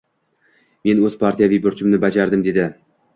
«Men o‘z partiyaviy burchimni bajardim, — dedi.